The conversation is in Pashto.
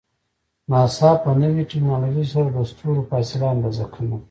ناسا په نوی ټکنالوژۍ سره د ستورو فاصله اندازه کوي.